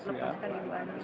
melepaskan ibu ani